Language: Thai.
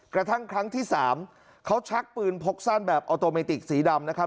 กระทั่งครั้งที่๓เขาชักปืนพกสั้นแบบออโตเมติกสีดำนะครับ